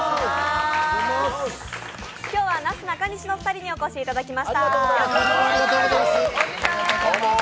今日はなすなかにしのお二人にお越しいただきました。